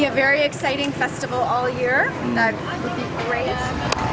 saya pikir ini akan menjadi festival yang sangat menyenangkan selama tahun